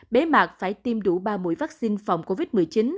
bế mạc phải tiêm đủ ba mũi vaccine phòng covid một mươi chín